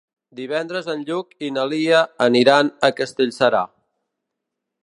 Divendres en Lluc i na Lia aniran a Castellserà.